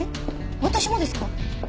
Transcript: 私もですか？